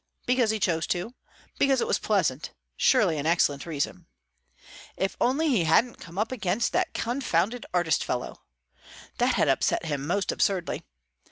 Because he chose to; because it was pleasant; surely an excellent reason. If only he hadn't come up against that confounded artist fellow! That had upset him, most absurdly.